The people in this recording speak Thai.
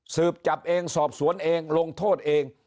สืบจับเองสอบสวนเองลงโทษเอง